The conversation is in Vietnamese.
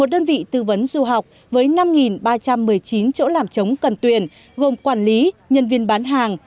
một đơn vị tư vấn du học với năm ba trăm một mươi chín chỗ làm trống cần tuyển gồm quản lý nhân viên bán hàng